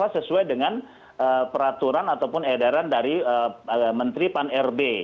sesuai dengan peraturan ataupun edaran dari menteri pan rb